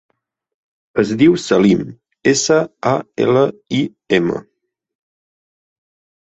Es diu Salim: essa, a, ela, i, ema.